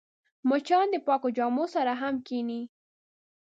مچان د پاکو جامو سره هم کښېني